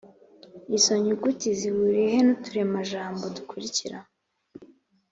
izo nyuguti zihuriyehe n’iz’uturemajambo dukurikira ?